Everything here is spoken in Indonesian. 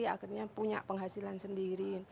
akhirnya punya penghasilan sendiri